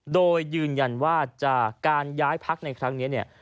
โดยยืนยันว่าจากการย้ายพักในครั้งนี้เนี่ย